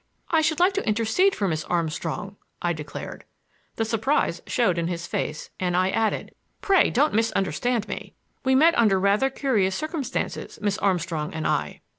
"I should like to intercede for Miss Armstrong," I declared. The surprise showed in his face, and I added: "Pray don't misunderstand me. We met under rather curious circumstances, Miss Armstrong and I."